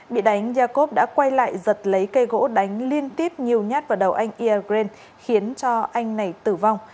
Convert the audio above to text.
bị đánh yakov đã quay lại giật lấy cây gỗ đánh liên tiếp nhiều nhát vào đầu anh iagreen khiến cho anh này tử vong